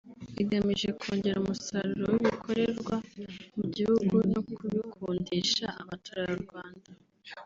igamije kongera umusaruro w’ibikorerwa mu gihugu no kubikundisha Abaturarwanda